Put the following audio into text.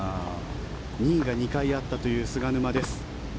２位が２回あったという菅沼です。